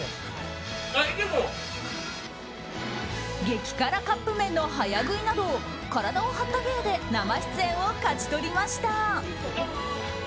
激辛カップ麺の早食いなど体を張った芸で生出演を勝ち取りました。